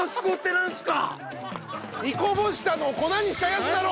煮こぼしたのを粉にしたやつだろ！